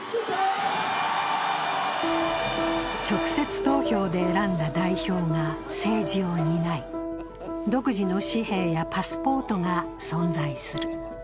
直接投票で選んだ代表が政治を担い、独自の紙幣やパスポートが存在する。